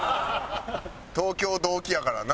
東京同期やからな。